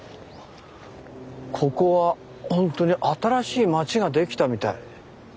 ここはほんとに新しい町が出来たみたい。